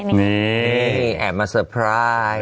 นี่แอบมาเซอร์ไพรส์